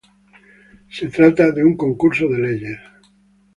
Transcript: Se trata de un concurso de leyes.